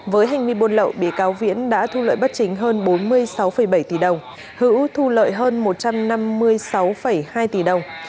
với hành vi buôn lậu bị cáo viễn đã thu lợi bất chính hơn bốn mươi sáu bảy tỷ đồng hữu thu lợi hơn một trăm năm mươi sáu hai tỷ đồng